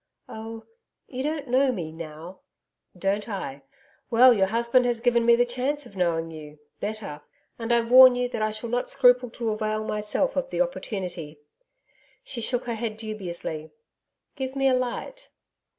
'Oh, you don't know me now.' 'Don't I! Well, your husband has given me the chance of knowing you better and I warn you that I shall not scruple to avail myself of the opportunity.' She shook her head dubiously. 'Give me a light.'